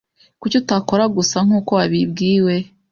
Kuki utakora gusa nkuko wabibwiwe?